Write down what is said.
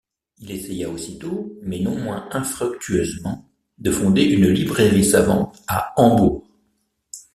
Il essaya aussitôt, mais non moins infructueusement, de fonder une librairie savante à Hambourg.